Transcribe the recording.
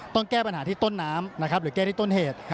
แก้ปัญหาที่ต้นน้ำหรือแก้ที่ต้นเหตุ